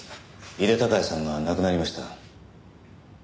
井手孝也さんが亡くなりました。